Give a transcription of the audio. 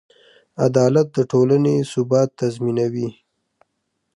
عدالت د ټولنې ثبات تضمینوي.